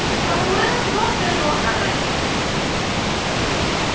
俺だってどうしたらいいか分かんないんだよ！